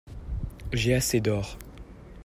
J'ai assez d'or.